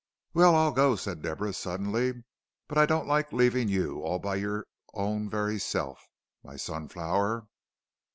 "Well, I'll go," said Deborah, suddenly; "but I don't like leavin' you all by your own very self, my sunflower."